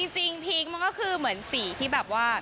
จริงพีคมันก็คือเหมือนสีที่แบบว่า